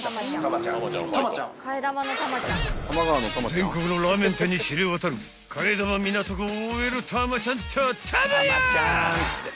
［全国のラーメン店に知れ渡る替玉港区ＯＬたまちゃんったあたまや！］